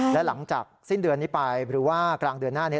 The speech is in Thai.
และหลังจากสิ้นเดือนนี้ไปหรือว่ากลางเดือนหน้านี้